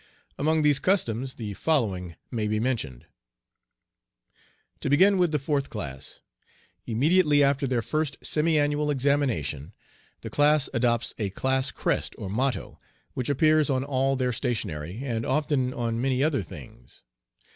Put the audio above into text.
Among these customs the following may be mentioned: To begin with the fourth class. Immediately after their first semi annual examination the class adopts a class crest or motto, which appears on all their stationery, and often on many other things.